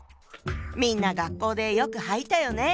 みんな学校でよく履いたよね。